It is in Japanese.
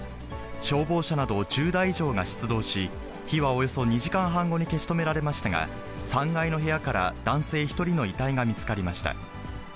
消防車など１０台以上が出動し、火はおよそ２時間半後に消し止められましたが、３階の部屋から男性１人の遺体が見つかりました。